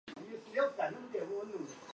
杰克森成为田纳西民兵上校。